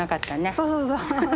そうそうそうそう。